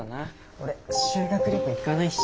俺修学旅行行かないし。